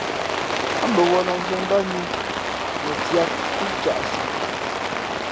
Ά bαwᾱlᾱ zᾱ mbát nnǔ mα fiāt pí caʼsi.